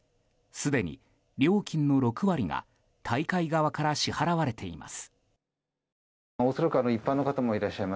すでに料金の６割が大会側から支払われています。